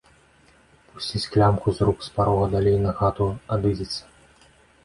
Пусціць клямку з рук, з парога далей на хату адыдзецца.